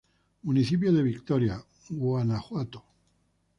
Municipio de Victoria, Guanajuato.